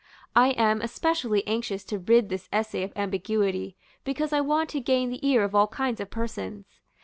I am especially anxious to rid this essay of ambiguity, because I want to gain the ear of all kinds of persons.